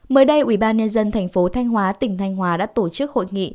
mới đây ubnd tp thanh hóa tỉnh thanh hóa đã tổ chức hội nghị